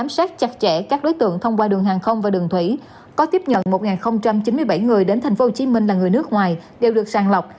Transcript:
sát chặt chẽ các đối tượng thông qua đường hàng không và đường thủy có tiếp nhận một chín mươi bảy người đến tp hcm là người nước ngoài đều được sàng lọc